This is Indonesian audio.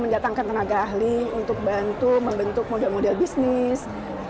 mendatangkan tenaga ahli untuk bantu membentuk model model bisnis